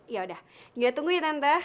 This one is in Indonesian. ya udah nanti tunggu ya tante